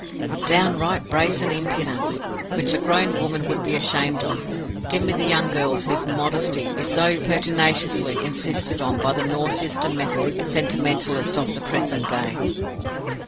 For downright brazen impudence, which a grown woman would be ashamed of, give me the young girls whose 'modesty' is so pertinaciously insisted on by the nauseous domestic sentimentalists of the present day!